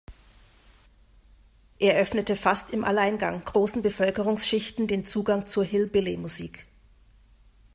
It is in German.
Er öffnete fast im Alleingang großen Bevölkerungsschichten den Zugang zur Hillbilly-Musik.